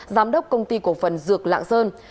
giám đốc công ty cổ phần dược lạng sơn